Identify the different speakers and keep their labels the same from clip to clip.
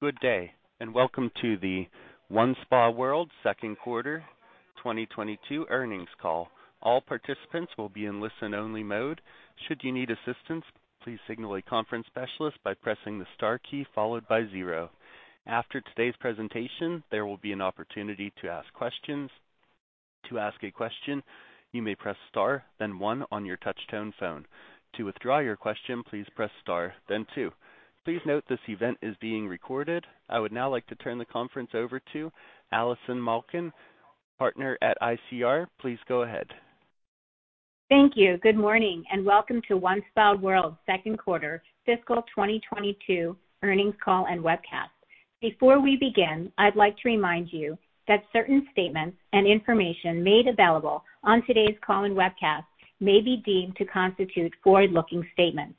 Speaker 1: Good day and welcome to the OneSpaWorld second quarter 2022 earnings call. All participants will be in listen-only mode. Should you need assistance, please signal a conference specialist by pressing the star key followed by zero. After today's presentation, there will be an opportunity to ask questions. To ask a question, you may press Star then One on your touchtone phone. To withdraw your question, please press Star then Two. Please note this event is being recorded. I would now like to turn the conference over to Allison Malkin, Partner at ICR. Please go ahead.
Speaker 2: Thank you. Good morning and welcome to OneSpaWorld second quarter fiscal 2022 earnings call and webcast. Before we begin, I'd like to remind you that certain statements and information made available on today's call and webcast may be deemed to constitute forward-looking statements.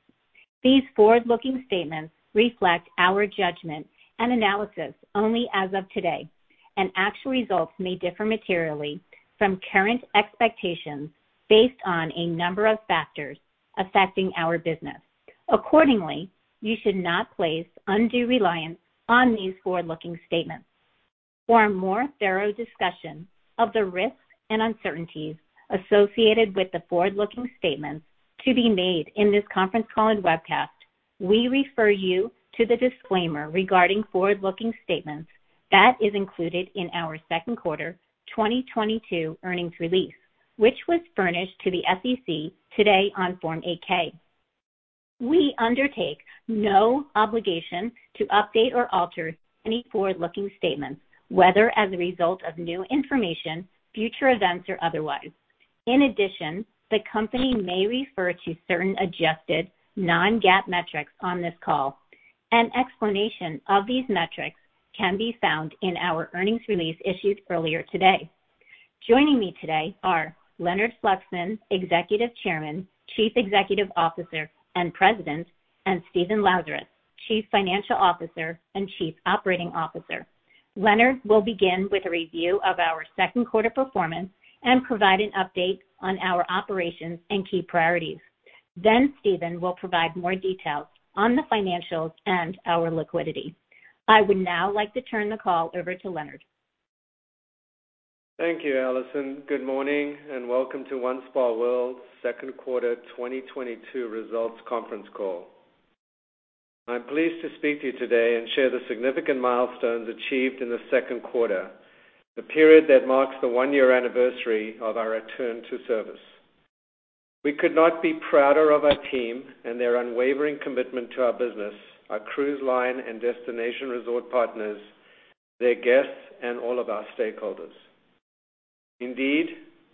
Speaker 2: These forward-looking statements reflect our judgment and analysis only as of today and actual results may differ materially from current expectations based on a number of factors affecting our business. Accordingly, you should not place undue reliance on these forward-looking statements. For a more thorough discussion of the risks and uncertainties associated with the forward-looking statements to be made in this conference call and webcast, we refer you to the disclaimer regarding forward-looking statements that is included in our second quarter 2022 earnings release, which was furnished to the SEC today on Form 8-K. We undertake no obligation to update or alter any forward-looking statements, whether as a result of new information, future events or otherwise. In addition, the company may refer to certain adjusted non-GAAP metrics on this call. An explanation of these metrics can be found in our earnings release issued earlier today. Joining me today are Leonard Fluxman, Executive Chairman, Chief Executive Officer and President and Stephen Lazarus, Chief Financial Officer and Chief Operating Officer. Leonard will begin with a review of our second quarter performance and provide an update on our operations and key priorities. Stephen will provide more details on the financials and our liquidity. I would now like to turn the call over to Leonard.
Speaker 3: Thank you, Allison. Good morning and welcome to OneSpaWorld's second quarter 2022 results conference call. I'm pleased to speak to you today and share the significant milestones achieved in the second quarter, the period that marks the one-year anniversary of our return to service. We could not be prouder of our team and their unwavering commitment to our business, our cruise line and destination resort partners, their guests and all of our stakeholders. Indeed,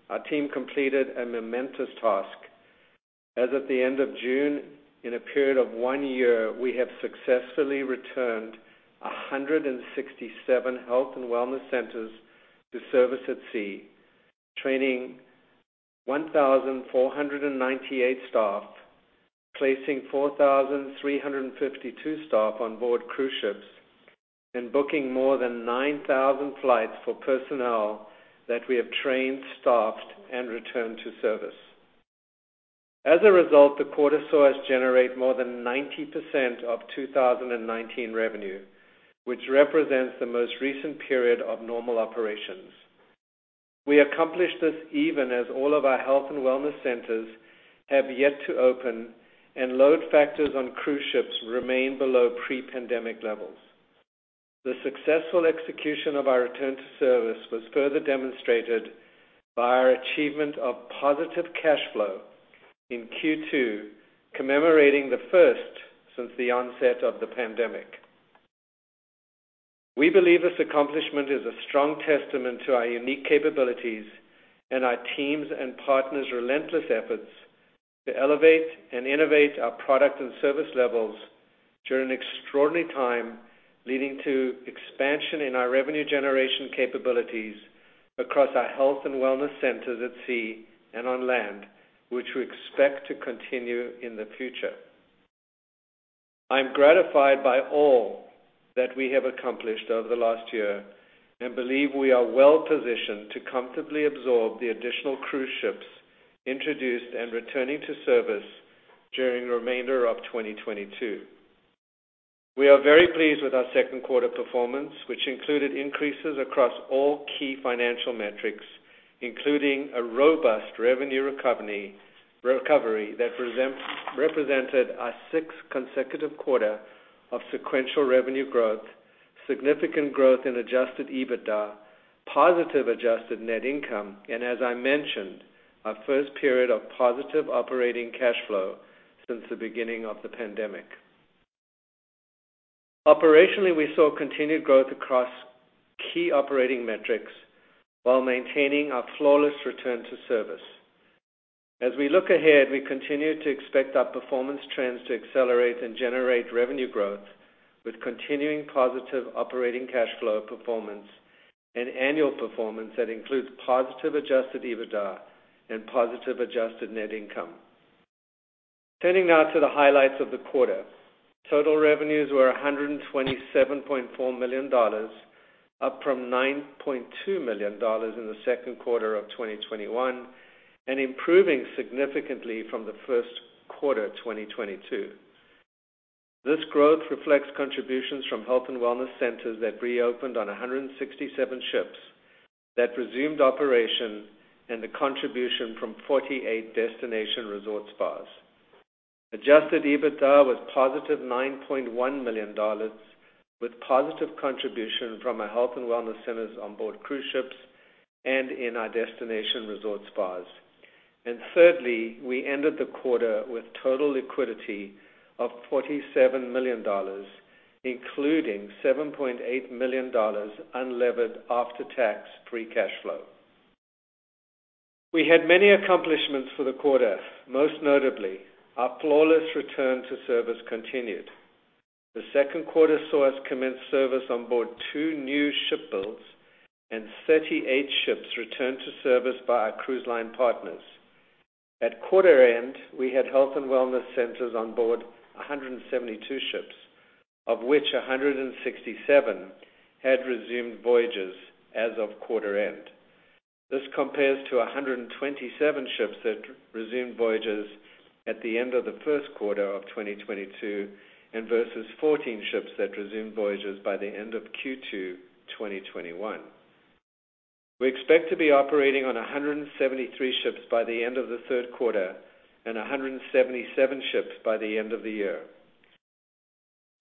Speaker 3: our team completed a momentous task. As at the end of June, in a period of one year, we have successfully returned 167 health and wellness centers to service at sea, training 1,498 staff, placing 4,352 staff on board cruise ships and booking more than 9,000 flights for personnel that we have trained, staffed and returned to service. As a result, the quarter saw us generate more than 90% of 2019 revenue, which represents the most recent period of normal operations. We accomplished this even as all of our health and wellness centers have yet to open and load factors on cruise ships remain below pre-pandemic levels. The successful execution of our return to service was further demonstrated by our achievement of positive cash flow in Q2, commemorating the first since the onset of the pandemic. We believe this accomplishment is a strong testament to our unique capabilities and our teams' and partners' relentless efforts to elevate and innovate our product and service levels during an extraordinary time, leading to expansion in our revenue generation capabilities across our health and wellness centers at sea and on land, which we expect to continue in the future. I am gratified by all that we have accomplished over the last year and believe we are well-positioned to comfortably absorb the additional cruise ships introduced and returning to service during the remainder of 2022. We are very pleased with our second quarter performance, which included increases across all key financial metrics, including a robust revenue recovery that represented a six consecutive quarter of sequential revenue growth, significant growth in adjusted EBITDA, positive adjusted Net Income and as I mentioned, our first period of positive operating cash flow since the beginning of the pandemic. Operationally, we saw continued growth across key operating metrics while maintaining our flawless return to service. As we look ahead, we continue to expect our performance trends to accelerate and generate revenue growth with continuing positive operating cash flow performance and annual performance that includes positive adjusted EBITDA and positive adjusted Net Income. Turning now to the highlights of the quarter. Total revenues were $127.4 million. Up from $9.2 million in the second quarter of 2021 and improving significantly from the first quarter 2022. This growth reflects contributions from health and wellness centers that reopened on 167 ships that resumed operation and the contribution from 48 destination resort spas. Adjusted EBITDA was positive $9.1 million with positive contribution from our health and wellness centers on board cruise ships and in our destination resort spas. Thirdly, we ended the quarter with total liquidity of $47 million, including $7.8 million unlevered after-tax free cash flow. We had many accomplishments for the quarter, most notably, our flawless return to service continued. The second quarter saw us commence service on board 2 new ship builds and 38 ships returned to service by our cruise line partners. At quarter end, we had health and wellness centers on board 172 ships, of which 167 had resumed voyages as of quarter end. This compares to 127 ships that resumed voyages at the end of the first quarter of 2022 and versus 14 ships that resumed voyages by the end of Q2 2021. We expect to be operating on 173 ships by the end of the third quarter and 177 ships by the end of the year.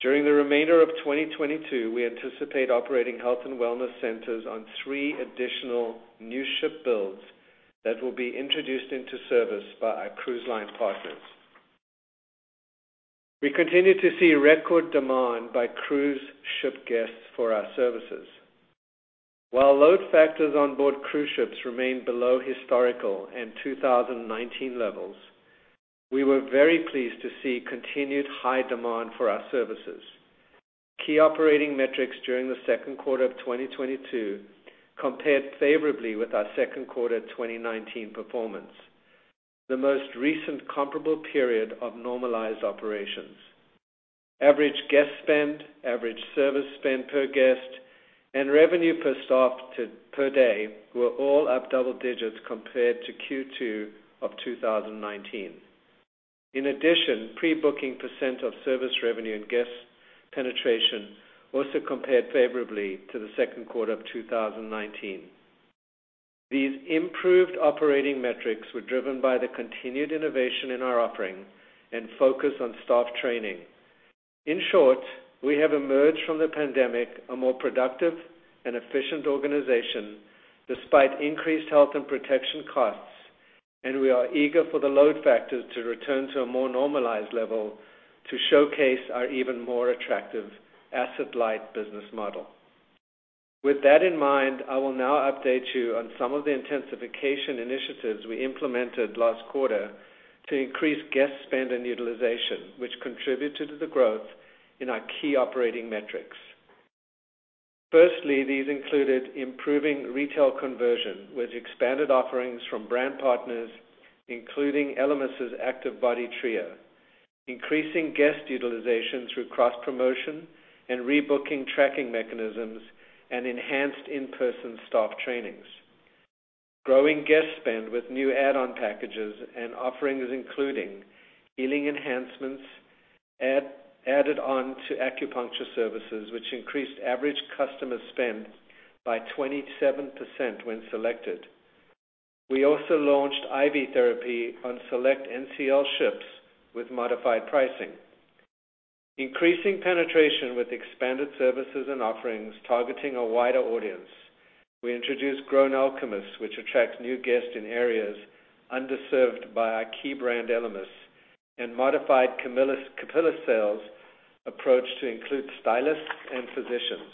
Speaker 3: During the remainder of 2022, we anticipate operating health and wellness centers on three additional new ship builds that will be introduced into service by our cruise line partners. We continue to see record demand by cruise ship guests for our services. While load factors on board cruise ships remain below historical and 2019 levels, we were very pleased to see continued high demand for our services. Key operating metrics during the second quarter of 2022 compared favorably with our second quarter 2019 performance, the most recent comparable period of normalized operations. Average guest spend, average service spend per guest and revenue per staff per day were all up double digits compared to Q2 of 2019. In addition, pre-booking percent of service revenue and guest penetration also compared favorably to the second quarter of 2019. These improved operating metrics were driven by the continued innovation in our offering and focus on staff training. In short, we have emerged from the pandemic a more productive and efficient organization despite increased health and protection costs and we are eager for the load factors to return to a more normalized level to showcase our even more attractive asset-light business model. With that in mind, I will now update you on some of the intensification initiatives we implemented last quarter to increase guest spend and utilization, which contributed to the growth in our key operating metrics. Firstly, these included improving retail conversion with expanded offerings from brand partners, including Elemis' Active Body Trio. Increasing guest utilization through cross-promotion and rebooking tracking mechanisms and enhanced in-person staff trainings. Growing guest spend with new add-on packages and offerings, including healing enhancements added on to acupuncture services, which increased average customer spend by 27% when selected. We also launched IV therapy on select NCL ships with modified pricing. Increasing penetration with expanded services and offerings targeting a wider audience. We introduced Grown Alchemist, which attracts new guests in areas underserved by our key brand Elemis. We modified Capillus sales approach to include stylists and physicians.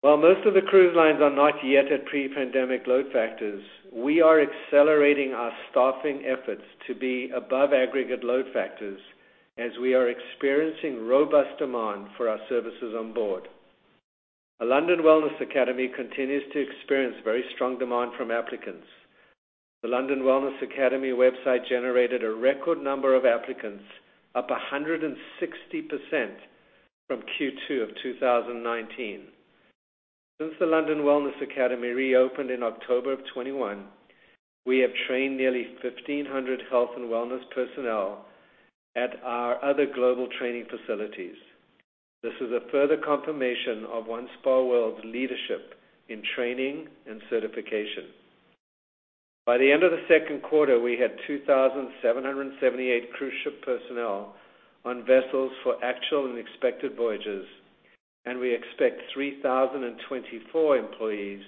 Speaker 3: While most of the cruise lines are not yet at pre-pandemic load factors, we are accelerating our staffing efforts to be above aggregate load factors as we are experiencing robust demand for our services on board. The London Wellness Academy continues to experience very strong demand from applicants. The London Wellness Academy website generated a record number of applicants, up 160% from Q2 of 2019. Since the London Wellness Academy reopened in October of 2021, we have trained nearly 1,500 health and wellness personnel at our other global training facilities. This is a further confirmation of OneSpaWorld's leadership in training and certification. By the end of the second quarter, we had 2,778 cruise ship personnel on vessels for actual and expected voyages and we expect 3,024 employees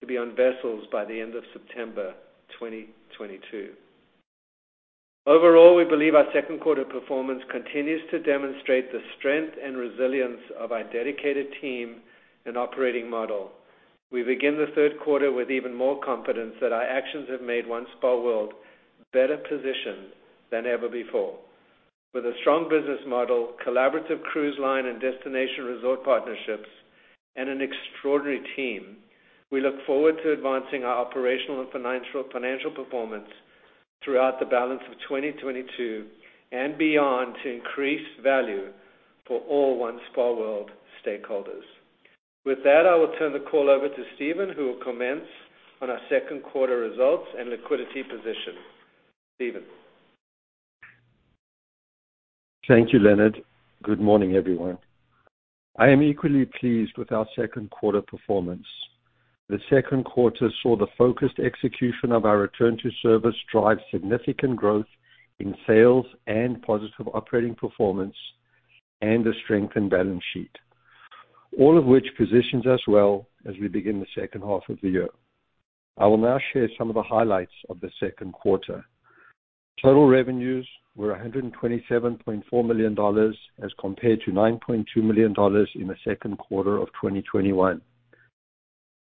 Speaker 3: to be on vessels by the end of September 2022. Overall, we believe our second quarter performance continues to demonstrate the strength and resilience of our dedicated team and operating model. We begin the third quarter with even more confidence that our actions have made OneSpaWorld better positioned than ever before. With a strong business model, collaborative cruise line and destination resort partnerships and an extraordinary team, we look forward to advancing our operational and financial performance. Throughout the balance of 2022 and beyond to increase value for all OneSpaWorld stakeholders. With that, I will turn the call over to Stephen, who will comment on our second quarter results and liquidity position. Stephen.
Speaker 4: Thank you, Leonard. Good morning, everyone. I am equally pleased with our second quarter performance. The second quarter saw the focused execution of our return to service driving significant growth in sales and positive operating performance and a strengthened balance sheet, all of which positions us well as we begin the second half of the year. I will now share some of the highlights of the second quarter. Total revenues were $127.4 million as compared to $9.2 million in the second quarter of 2021.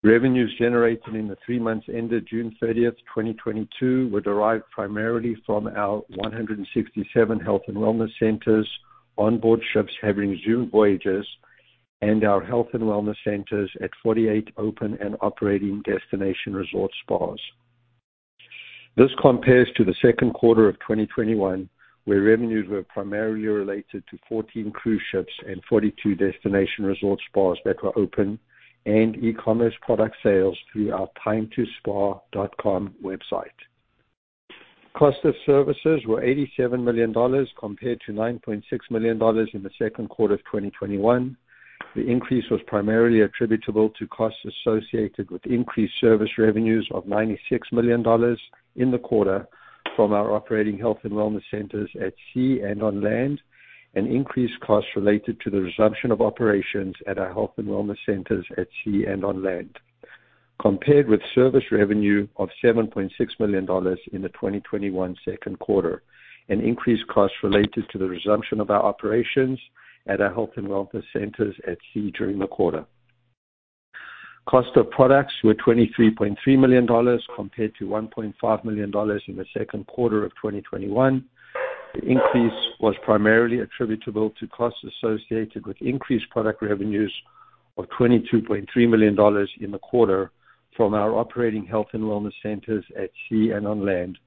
Speaker 4: Revenues generated in the three months ended 30 June 2022 were derived primarily from our 167 health and wellness centers on board ships having resumed voyages and our health and wellness centers at 48 open and operating destination resort spas. This compares to the second quarter of 2021, where revenues were primarily related to 14 cruise ships and 42 destination resort spas that were open and e-commerce product sales through our timetospa.com website. Cost of services were $87 million compared to $9.6 million in the second quarter of 2021. The increase was primarily attributable to costs associated with increased service revenues of $96 million in the quarter from our operating health and wellness centers at sea and on land and increased costs related to the resumption of operations at our health and wellness centers at sea and on land. Compared with service revenue of $7.6 million in the 2021 second quarter and increased costs related to the resumption of our operations at our health and wellness centers at sea during the quarter. Cost of products were $23.3 million compared to $1.5 million in the second quarter of 2021. The increase was primarily attributable to costs associated with increased product revenues of $22.3 million in the quarter from our operating health and wellness centers at sea and on land,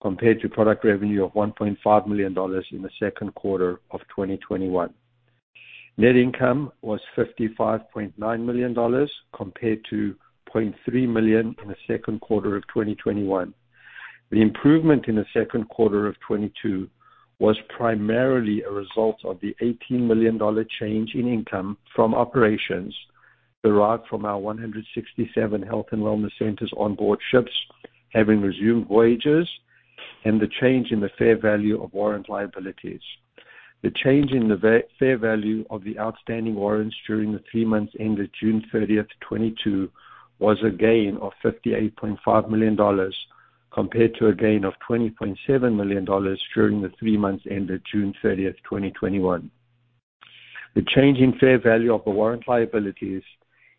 Speaker 4: compared to product revenue of $1.5 million in the second quarter of 2021. Net income was $55.9 million compared to $0.3 million in the second quarter of 2021. The improvement in the second quarter of 2022 was primarily a result of the $18 million change in income from operations derived from our 167 health and wellness centers on board ships having resumed voyages and the change in the fair value of warrant liabilities. The change in the fair value of the outstanding warrants during the three months ended 30 June 2022 was a gain of $58.5 million compared to a gain of $20.7 million during the three months ended 30June 2021. The change in fair value of the warrant liabilities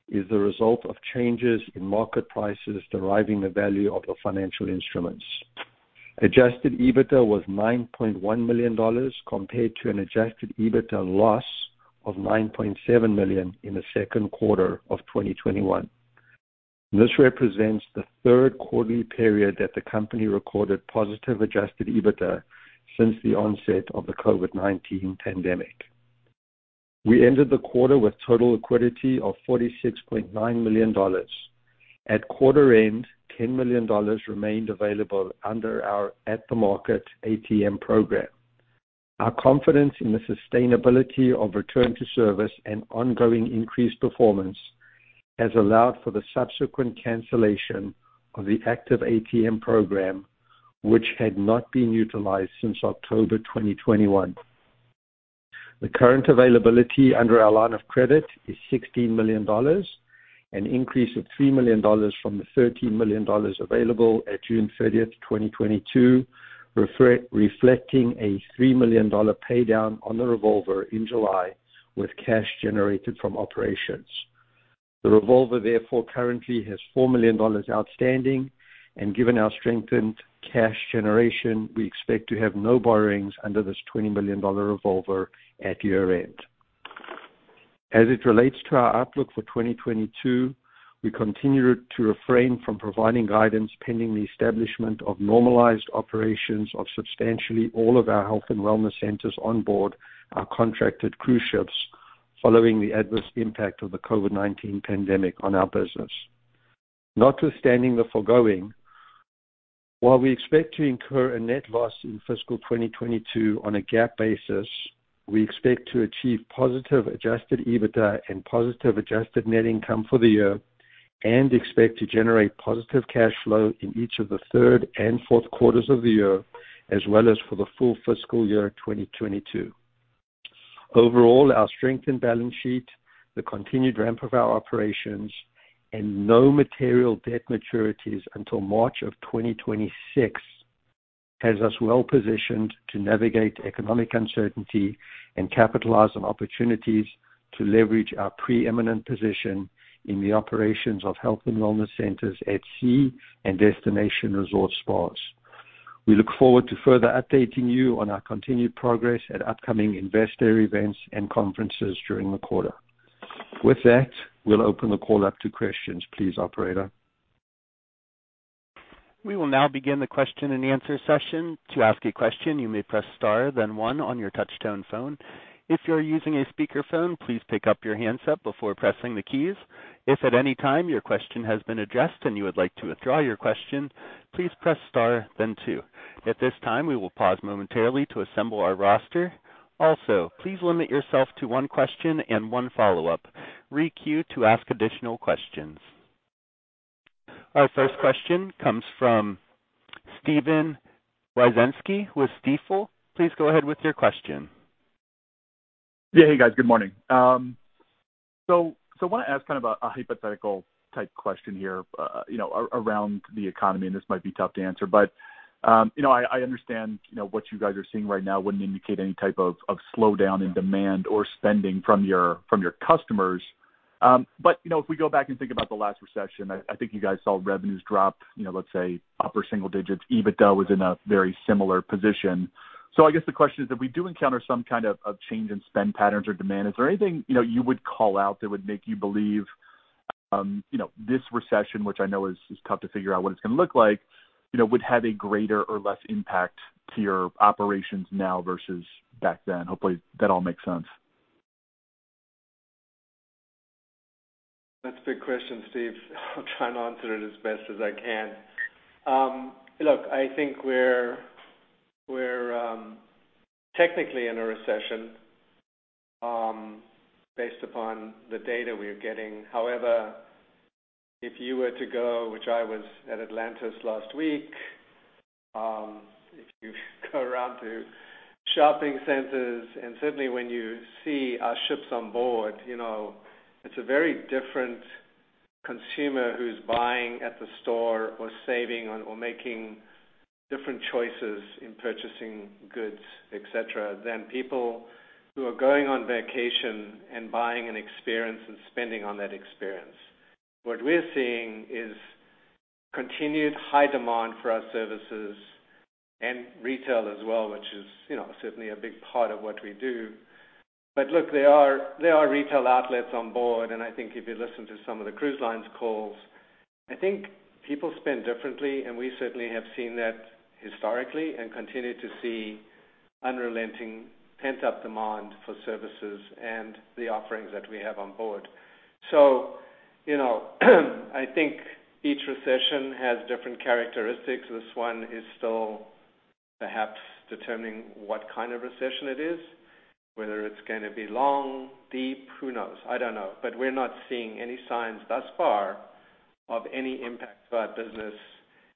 Speaker 4: is the result of changes in market prices driving the value of the financial instruments. Adjusted EBITDA was $9.1 million compared to an adjusted EBITDA loss of $9.7 million in the second quarter of 2021. This represents the third quarterly period that the company recorded positive adjusted EBITDA since the onset of the COVID-19 pandemic. We ended the quarter with total liquidity of $46.9 million. At quarter end, $10 million remained available under our at-the-market ATM program. Our confidence in the sustainability of return to service and ongoing increased performance has allowed for the subsequent cancellation of the active ATM program, which had not been utilized since October 2021. The current availability under our line of credit is $16 million, an increase of $3 million from the $13 million available at 30 June 2022, reflecting a $3 million pay down on the revolver in July with cash generated from operations. The revolver therefore currently has $4 million outstanding and given our strengthened cash generation, we expect to have no borrowings under this $20 million revolver at year-end. As it relates to our outlook for 2022, we continue to refrain from providing guidance pending the establishment of normalized operations of substantially all of our health and wellness centers on board our contracted cruise ships following the adverse impact of the COVID-19 pandemic on our business. Notwithstanding the foregoing, while we expect to incur a net loss in fiscal 2022 on a GAAP basis, we expect to achieve positive adjusted EBITDA and positive adjusted Net Income for the year and expect to generate positive cash flow in each of the third and fourth quarters of the year as well as for the full fiscal year of 2022. Overall, our strengthened balance sheet, the continued ramp of our operations and no material debt maturities until March of 2026 has us well positioned to navigate economic uncertainty and capitalize on opportunities to leverage our preeminent position in the operations of health and wellness centers at sea and destination resort spas. We look forward to further updating you on our continued progress at upcoming investor events and conferences during the quarter. With that, we'll open the call up to questions. Please, operator.
Speaker 1: We will now begin the question and answer session. To ask a question, you may press star, then one on your touchtone phone. If you're using a speaker phone, please pick up your handset before pressing the keys. If at any time your question has been addressed and you would like to withdraw your question, please press star then two. At this time, we will pause momentarily to assemble our roster. Also, please limit yourself to one question and one follow-up. Re-queue to ask additional questions. Our first question comes from Steven Wieczynski with Stifel. Please go ahead with your question.
Speaker 5: Yeah. Hey, guys. Good morning. I wanna ask kind of a hypothetical type question here, you know, around the economy and this might be tough to answer. I understand, you know, what you guys are seeing right now wouldn't indicate any type of slowdown in demand or spending from your customers. I think you guys saw revenues drop, you know, let's say upper single digits. EBITDA was in a very similar position. I guess the question is, if we do encounter some kind of change in spend patterns or demand, is there anything, you know, you would call out that would make you believe, you know, this recession, which I know is tough to figure out what it's gonna look like, you know, would have a greater or less impact to your operations now versus back then? Hopefully that all makes sense.
Speaker 3: That's a big question, Steve. I'll try and answer it as best as I can. Look, I think we're technically in a recession based upon the data we are getting. However, if you were to go, which I was at Atlantis last week, if you go around to shopping centers and certainly when you see our ships on board, you know, it's a very different consumer who's buying at the store or saving or making different choices in purchasing goods, et cetera, than people who are going on vacation and buying an experience and spending on that experience. What we're seeing is continued high demand for our services and retail as well, which is, you know, certainly a big part of what we do. Look, there are retail outlets on board and I think if you listen to some of the cruise lines calls, I think people spend differently and we certainly have seen that historically and continue to see unrelenting pent-up demand for services and the offerings that we have on board. You know, I think each recession has different characteristics. This one is still perhaps determining what kind of recession it is, whether it's gonna be long, deep, who knows? I don't know. We're not seeing any signs thus far of any impact to our business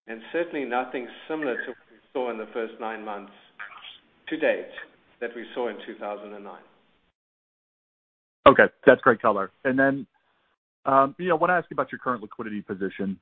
Speaker 3: and certainly nothing similar to what we saw in the first nine months to date that we saw in 2009.
Speaker 5: Okay. That's great color. You know, I wanna ask you about your current liquidity position.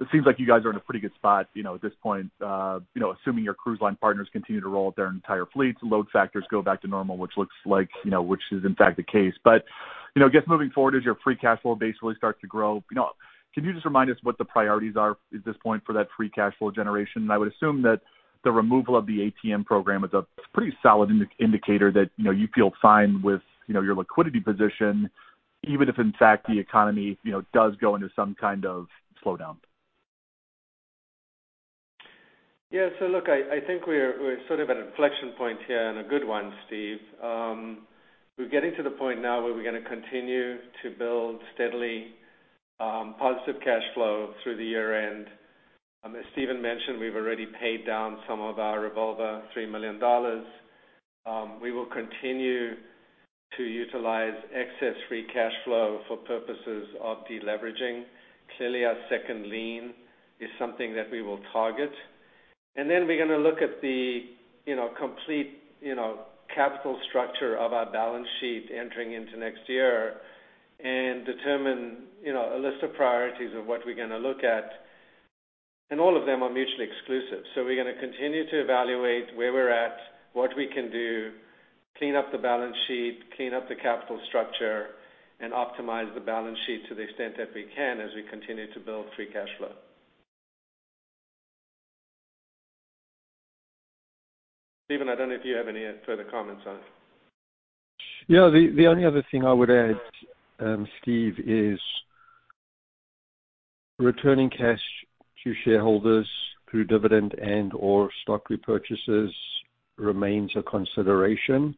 Speaker 5: It seems like you guys are in a pretty good spot, you know, at this point, you know, assuming your cruise line partners continue to roll out their entire fleets, load factors go back to normal, which looks like, you know, which is in fact the case. You know, I guess moving forward, as your free cash flow base really starts to grow, you know, can you just remind us what the priorities are at this point for that free cash flow generation? I would assume that the removal of the ATM program is a pretty solid indicator that, you know, you feel fine with, you know, your liquidity position, even if in fact the economy, you know, does go into some kind of slowdown.
Speaker 3: Yeah. Look, I think we're sort of at an inflection point here and a good one, Steve. We're getting to the point now where we're gonna continue to build steadily positive cash flow through the year-end. As Stephen mentioned, we've already paid down some of our revolver $3 million. We will continue to utilize excess free cash flow for purposes of deleveraging. Clearly, our second lien is something that we will target. Then we're gonna look at the, you know, complete, you know, capital structure of our balance sheet entering into next year and determine, you know, a list of priorities of what we're gonna look at. All of them are mutually exclusive. We're gonna continue to evaluate where we're at, what we can do, clean up the balance sheet, clean up the capital structure and optimize the balance sheet to the extent that we can as we continue to build free cash flow. Steven, I don't know if you have any further comments on it.
Speaker 4: Yeah. The only other thing I would add, Steve, is returning cash to shareholders through dividend and/or stock repurchases remains a consideration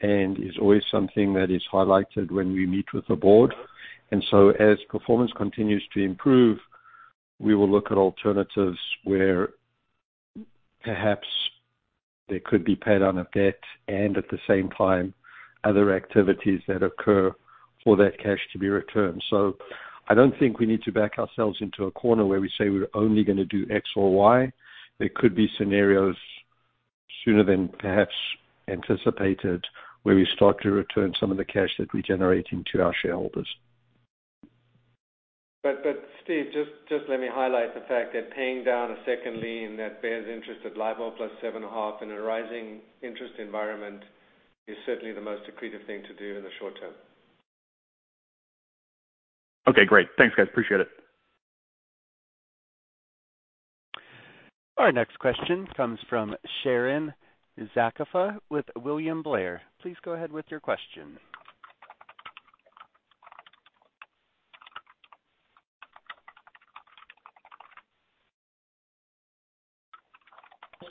Speaker 4: and is always something that is highlighted when we meet with the board. As performance continues to improve, we will look at alternatives where perhaps there could be paid down of debt and at the same time other activities that occur for that cash to be returned. I don't think we need to back ourselves into a corner where we say we're only gonna do X or Y. There could be scenarios sooner than perhaps anticipated, where we start to return some of the cash that we're generating to our shareholders.
Speaker 3: Steve, just let me highlight the fact that paying down a second lien that bears interest at LIBOR plus 7.5 in a rising interest environment is certainly the most accretive thing to do in the short term.
Speaker 5: Okay, great. Thanks, guys. Appreciate it.
Speaker 1: Our next question comes from Sharon Zackfia with William Blair. Please go ahead with your question.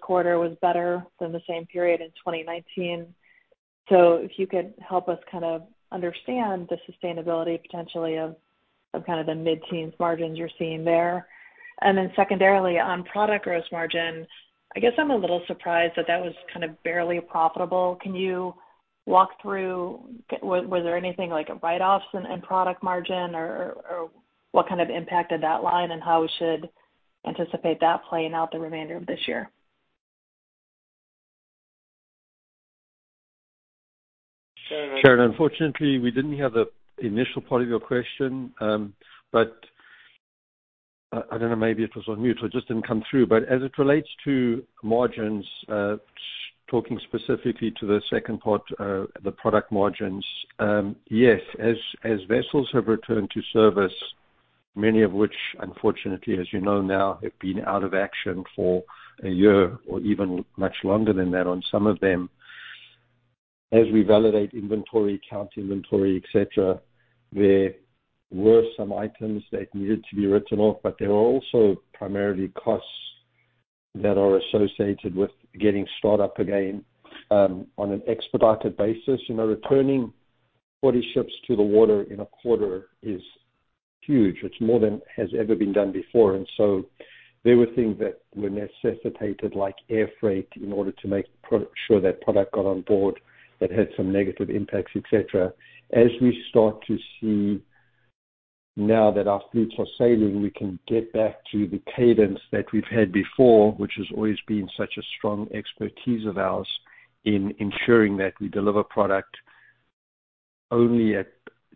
Speaker 6: This quarter was better than the same period in 2019. If you could help us kind of understand the sustainability potentially of kind of the mid-teens% margins you're seeing there? Secondarily, on product gross margins, I guess I'm a little surprised that that was kind of barely profitable. Can you walk through, was there anything like write-offs in product margin or what kind of impacted that line and how we should anticipate that playing out the remainder of this year?
Speaker 4: Sharon, unfortunately, we didn't hear the initial part of your question. I don't know, maybe it was on mute or it just didn't come through. As it relates to margins, talking specifically to the second part, the product margins, yes. As vessels have returned to service, many of which unfortunately, as you know now, have been out of action for a year or even much longer than that on some of them. As we validate inventory, count inventory, et cetera, there were some items that needed to be written off. There were also primarily costs that are associated with getting start up again, on an expedited basis. You know, returning 40 ships to the water in a quarter is huge. It's more than has ever been done before. There were things that were necessitated, like air freight in order to make sure that product got on board that had some negative impacts, et cetera. As we start to see now that our fleets are sailing, we can get back to the cadence that we've had before, which has always been such a strong expertise of ours in ensuring that we deliver product only at,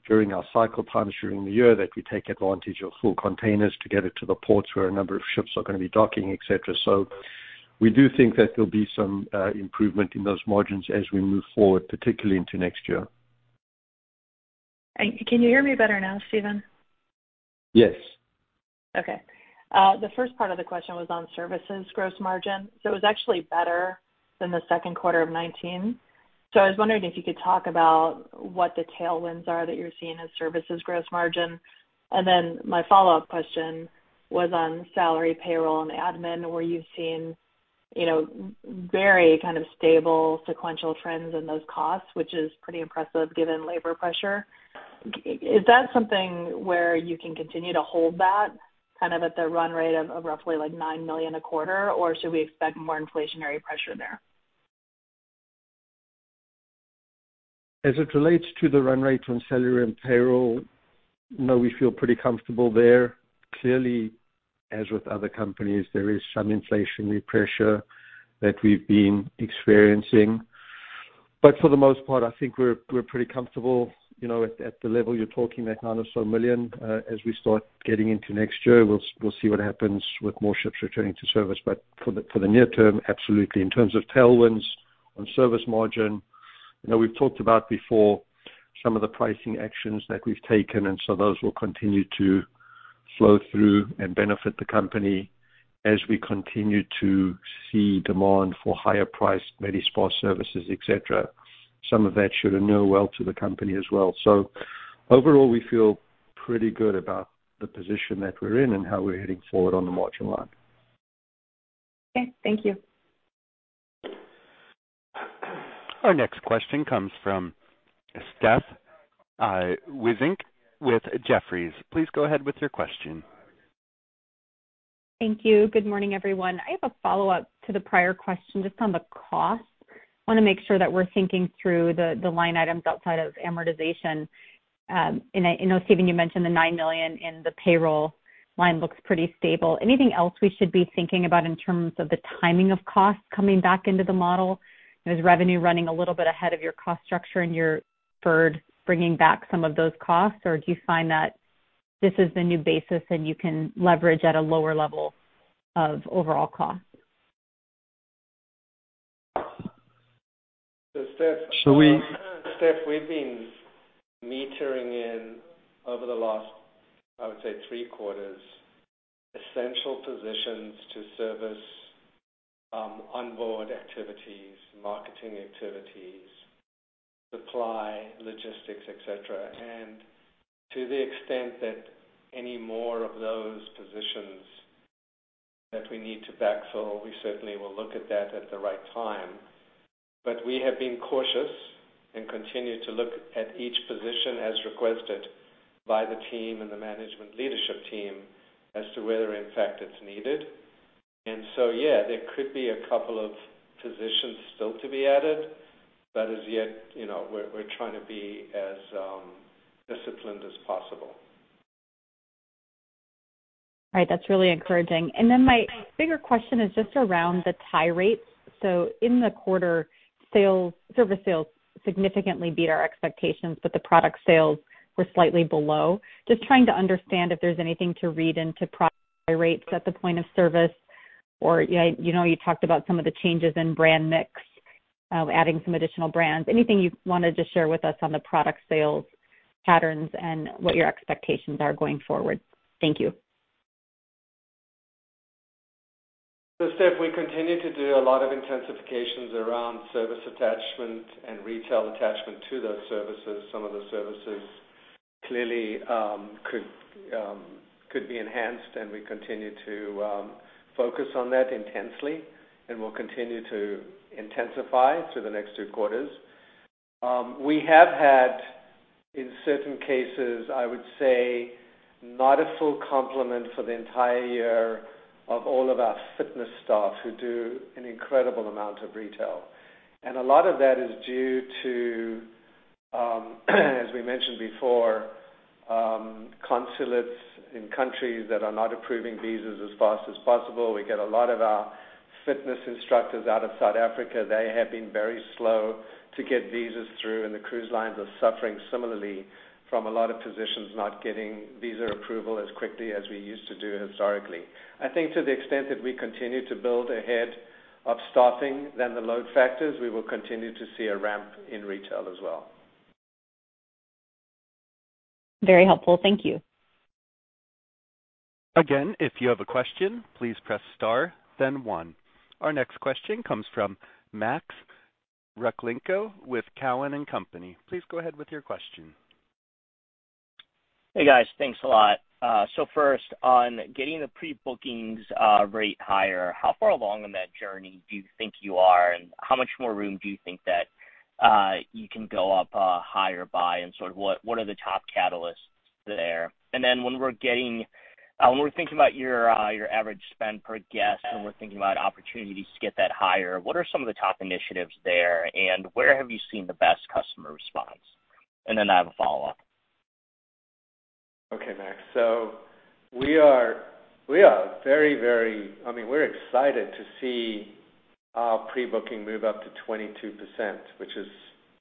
Speaker 4: during our cycle times during the year, that we take advantage of full containers to get it to the ports where a number of ships are gonna be docking, et cetera. We do think that there'll be some improvement in those margins as we move forward, particularly into next year.
Speaker 6: Can you hear me better now, Stephen?
Speaker 4: Yes.
Speaker 6: Okay. The first part of the question was on services gross margin. It was actually better than the second quarter of 2019. I was wondering if you could talk about what the tailwinds are that you're seeing as services gross margin. Then my follow-up question was on salary, payroll and admin, where you've seen, you know, very kind of stable sequential trends in those costs, which is pretty impressive given labor pressure. Is that something where you can continue to hold that kind of at the run rate of roughly like $9 million a quarter or should we expect more inflationary pressure there?
Speaker 4: As it relates to the run rate on salary and payroll, no, we feel pretty comfortable there. Clearly, as with other companies, there is some inflationary pressure that we've been experiencing. For the most part, I think we're pretty comfortable, you know, at the level you're talking, that $9 million or so. As we start getting into next year, we'll see what happens with more ships returning to service. For the near term, absolutely. In terms of tailwinds on service margin, you know, we've talked about before some of the pricing actions that we've taken and so those will continue to flow through and benefit the company as we continue to see demand for higher priced Medi-Spa services, et cetera. Some of that should bode well to the company as well. Overall, we feel pretty good about the position that we're in and how we're heading forward on the margin line.
Speaker 6: Okay. Thank you.
Speaker 1: Our next question comes from Steph Wissink with Jefferies. Please go ahead with your question.
Speaker 7: Thank you. Good morning, everyone. I have a follow-up to the prior question just on the cost. Wanna make sure that we're thinking through the line items outside of amortization. I know, Stephen, you mentioned the $9 million and the payroll line looks pretty stable. Anything else we should be thinking about in terms of the timing of costs coming back into the model? Is revenue running a little bit ahead of your cost structure and you're deferred bringing back some of those costs or do you find that this is the new basis and you can leverage at a lower level of overall costs?
Speaker 4: Steph, we've been metering in over the last, I would say three quarters, essential positions to service onboard activities, marketing activities, supply, logistics, et cetera. To the extent that any more of those positions that we need to backfill, we certainly will look at that at the right time. We have been cautious and continue to look at each position as requested by the team and the management leadership team as to whether in fact it's needed. Yeah, there could be a couple of positions still to be added but as yet, you know, we're trying to be as disciplined as possible.
Speaker 7: All right. That's really encouraging. My bigger question is just around the tie rates. In the quarter, sales, service sales significantly beat our expectations but the product sales were slightly below. Just trying to understand if there's anything to read into product tie rates at the point of service or, you know, you talked about some of the changes in brand mix. On adding some additional brands. Anything you wanted to share with us on the product sales patterns and what your expectations are going forward? Thank you.
Speaker 3: Steph, we continue to do a lot of intensifications around service attachment and retail attachment to those services. Some of the services clearly could be enhanced and we continue to focus on that intensely and we'll continue to intensify through the next two quarters. We have had, in certain cases, I would say, not a full complement for the entire year of all of our fitness staff who do an incredible amount of retail. A lot of that is due to, as we mentioned before, consulates in countries that are not approving visas as fast as possible. We get a lot of our fitness instructors out of South Africa. They have been very slow to get visas through and the cruise lines are suffering similarly from a lot of positions not getting visa approval as quickly as we used to do historically. I think to the extent that we continue to build ahead of staffing, then the load factors, we will continue to see a ramp in retail as well.
Speaker 7: Very helpful. Thank you.
Speaker 1: Again, if you have a question, please press star then one. Our next question comes from Max Rakhlenko with Cowen and Company. Please go ahead with your question.
Speaker 8: Hey, guys. Thanks a lot. First, on getting the pre-bookings rate higher, how far along on that journey do you think you ar and how much more room do you think that you can go up higher by and sort of what are the top catalysts there? When we're thinking about your average spend per guest and we're thinking about opportunities to get that higher, what are some of the top initiatives there and where have you seen the best customer response? I have a follow-up.
Speaker 3: Okay, Max. We are very, I mean, we're excited to see our pre-booking move up to 22%, which is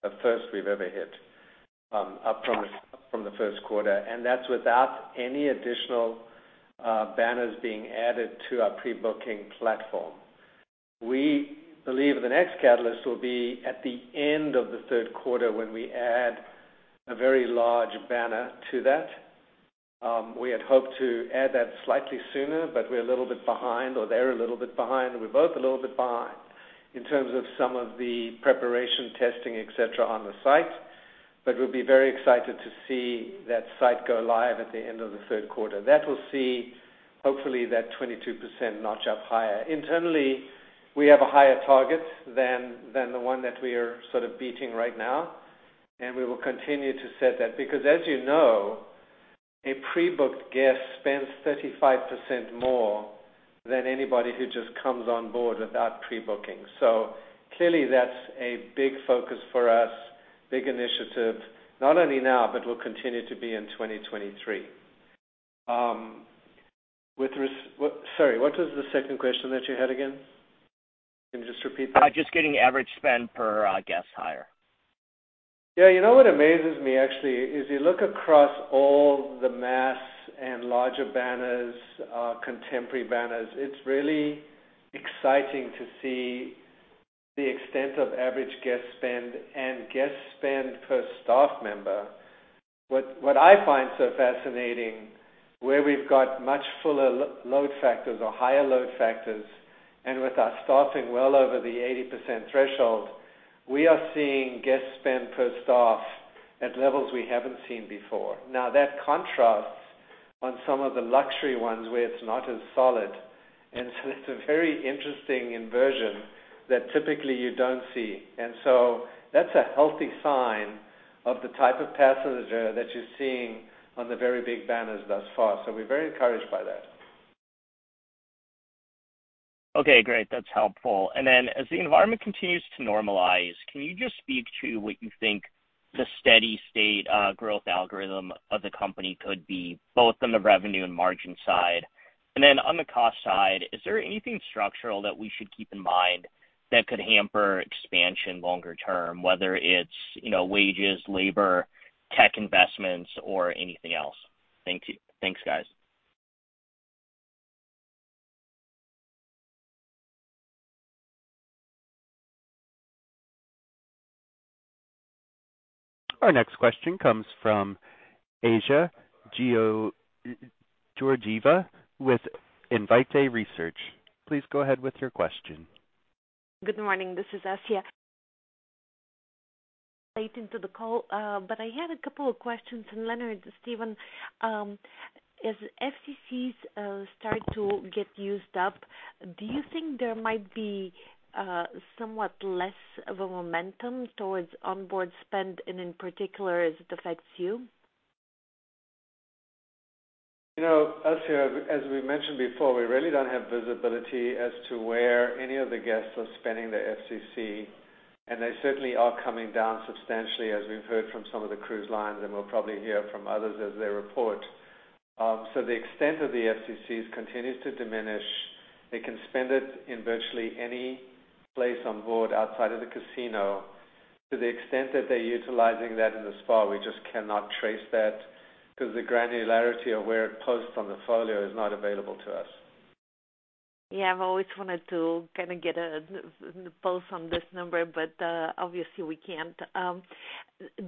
Speaker 3: a first we've ever hit, up from the first quarter and that's without any additional banners being added to our pre-booking platform. We believe the next catalyst will be at the end of the third quarter when we add a very large banner to that. We had hoped to add that slightly sooner but we're a little bit behind or they're a little bit behind. We're both a little bit behind in terms of some of the preparation, testing, et cetera, on the site. We'll be very excited to see that site go live at the end of the third quarter. That will see hopefully that 22% notch up higher. Internally, we have a higher target than the one that we are sort of beating right now and we will continue to set that. Because as you know, a pre-booked guest spends 35% more than anybody who just comes on board without pre-booking. Clearly, that's a big focus for us, big initiative, not only now but will continue to be in 2023. Sorry, what was the second question that you had again? Can you just repeat that?
Speaker 8: Just getting average spend per guest higher.
Speaker 3: Yeah. You know what amazes me actually is you look across all the mass and larger banners, contemporary banners, it's really exciting to see the extent of average guest spend and guest spend per staff member. What I find so fascinating, where we've got much fuller load factors or higher load factors and with our staffing well over the 80% threshold, we are seeing guest spend per staff at levels we haven't seen before. Now, that contrasts on some of the luxury ones where it's not as solid and so it's a very interesting inversion that typically you don't see. That's a healthy sign of the type of passenger that you're seeing on the very big banners thus far. We're very encouraged by that.
Speaker 8: Okay, great. That's helpful. As the environment continues to normalize, can you just speak to what you think the steady state, growth algorithm of the company could be, both on the revenue and margin side? On the cost side, is there anything structural that we should keep in mind that could hamper expansion longer term, whether it's, you know, wages, labor, tech investments or anything else? Thank you. Thanks, guys.
Speaker 1: Our next question comes from Assia Georgieva with Infinity Research. Please go ahead with your question.
Speaker 9: Good morning. This is Assia. Late into the call but I had a couple of questions. Leonard, Stephen, as FCCs start to get used up, do you think there might be somewhat less of a momentum towards onboard spend and in particular, as it affects you?
Speaker 3: You know, Asya, as we mentioned before, we really don't have visibility as to where any of the guests are spending their FCC and they certainly are coming down substantially as we've heard from some of the cruise lines and we'll probably hear from others as they report. The extent of the FCCs continues to diminish. They can spend it in virtually any place on board outside of the casino. To the extent that they're utilizing that in the spa, we just cannot trace that because the granularity of where it posts on the folio is not available to us.
Speaker 9: Yeah. I've always wanted to kind of get a pulse on this number but obviously we can't.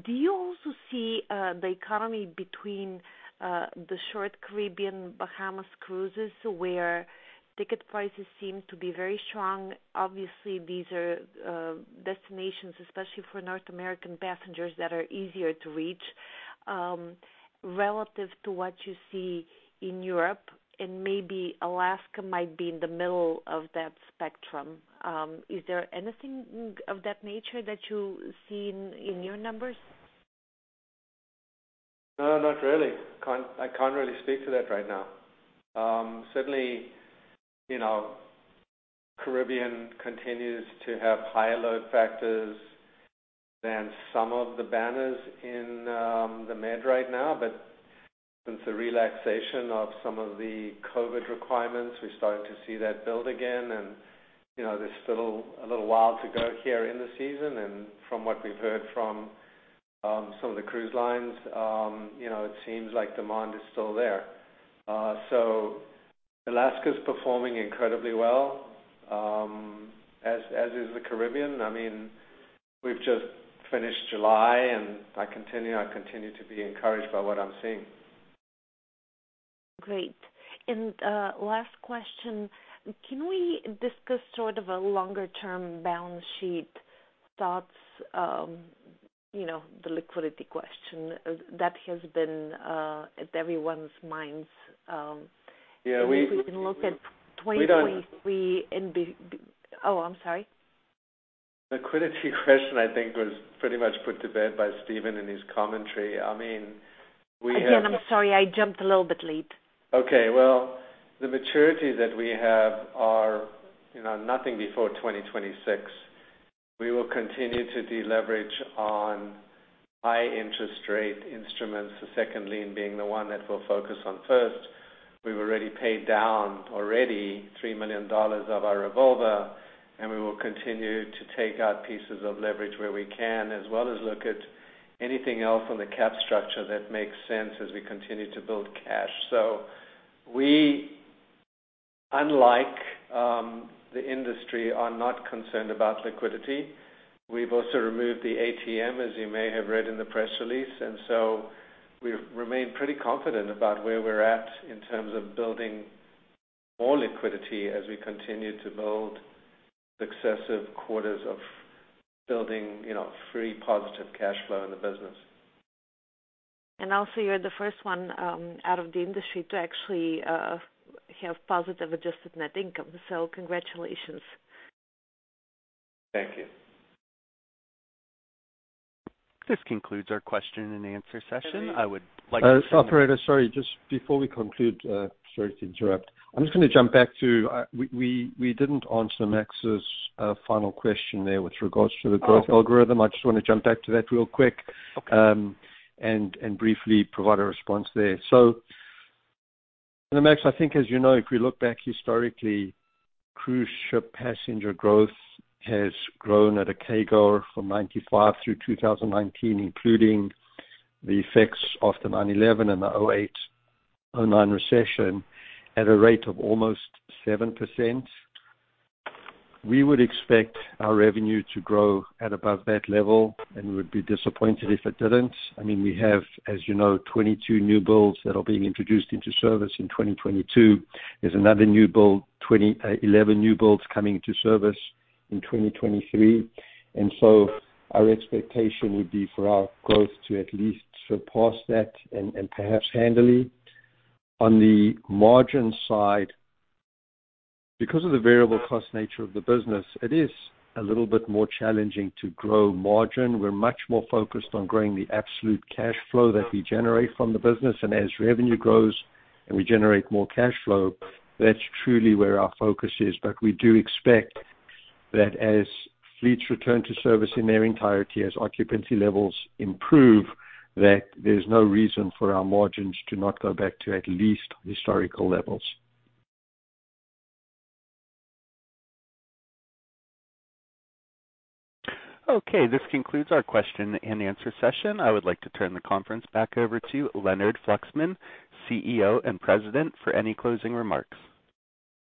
Speaker 9: Do you also see the economy between the short Caribbean Bahamas cruises where ticket prices seem to be very strong? Obviously, these are destinations, especially for North American passengers that are easier to reach, relative to what you see in Europe and maybe Alaska might be in the middle of that spectrum. Is there anything of that nature that you see in your numbers?
Speaker 3: No, not really. I can't really speak to that right now. Certainly, you know, Caribbean continues to have higher load factors than some of the banners in the Med right now. Since the relaxation of some of the COVID requirements, we're starting to see that build again. You know, there's still a little while to go here in the season. From what we've heard from some of the cruise lines, you know, it seems like demand is still there. Alaska's performing incredibly well, as is the Caribbean. I mean, we've just finished July and I continue to be encouraged by what I'm seeing.
Speaker 9: Great. Last question. Can we discuss sort of a longer-term balance sheet thoughts? You know, the liquidity question that has been on everyone's minds if we can look at 2023. Oh, I'm sorry.
Speaker 3: The liquidity question I think was pretty much put to bed by Stephen in his commentary. I mean, we have.
Speaker 9: Again, I'm sorry, I jumped a little bit late.
Speaker 3: Okay. Well, the maturities that we have are, you know, nothing before 2026. We will continue to deleverage on high interest rate instruments. The second lien being the one that we'll focus on first. We've already paid down $3 million of our revolver and we will continue to take out pieces of leverage where we can, as well as look at anything else on the capital structure that makes sense as we continue to build cash. We, unlike the industry, are not concerned about liquidity. We've also removed the ATM, as you may have read in the press release. We remain pretty confident about where we're at in terms of building more liquidity as we continue to build successive quarters of building, you know, positive free cash flow in the business.
Speaker 9: Also you're the first one out of the industry to actually have positive adjusted Net Income. Congratulations.
Speaker 3: Thank you.
Speaker 1: This concludes our question and answer session. I would like to.
Speaker 4: Operator, sorry, just before we conclude, sorry to interrupt. I'm just gonna jump back to we didn't answer Max's final question there with regards to the growth algorithm. I just wanna jump back to that real quick.
Speaker 3: Okay.
Speaker 4: Briefly provide a response there. Max, I think as you know, if we look back historically, cruise ship passenger growth has grown at a CAGR from 1995 through 2019, including the effects of the 9/11 and the 2008, 2009 recession at a rate of almost 7%. We would expect our revenue to grow at above that level and we would be disappointed if it didn't. I mean, we have, as you know, 22 new builds that are being introduced into service in 2022. There's another new build, 11 new builds coming into service in 2023. Our expectation would be for our growth to at least surpass that and perhaps handily. On the margin side, because of the variable cost nature of the business, it is a little bit more challenging to grow margin. We're much more focused on growing the absolute cash flow that we generate from the business. As revenue grows and we generate more cash flow, that's truly where our focus is. We do expect that as fleets return to service in their entirety, as occupancy levels improve, that there's no reason for our margins to not go back to at least historical levels.
Speaker 1: Okay, this concludes our question and answer session. I would like to turn the conference back over to Leonard Fluxman, CEO and President, for any closing remarks.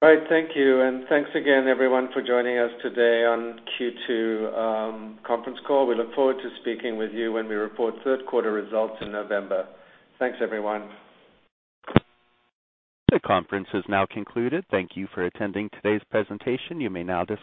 Speaker 3: All right, thank you and thanks again everyone for joining us today on Q2 conference call. We look forward to speaking with you when we report third quarter results in November. Thanks, everyone.
Speaker 1: The conference is now concluded. Thank you for attending today's presentation. You may now disconnect.